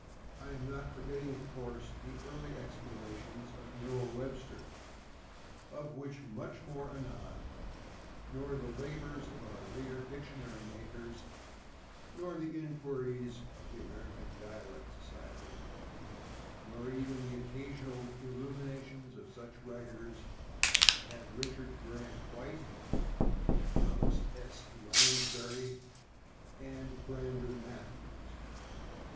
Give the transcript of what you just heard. I am not forgetting, of course, the early explorations of Noah Webster, of which much more anon, nor the labors of our later dictionary makers, nor the inquiries of the American Dialect Society, nor even the occasional illuminations of such writers as Richard Grant White, Thomas S. Lounsbury and Brander Matthews.